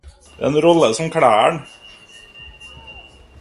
Det er en rolle som kler ham.